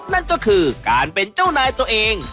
นั่นก็คือการเป็นเจ้านายตัวเอง